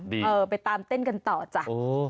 เออไปตามเต้นกันต่อจ้ะ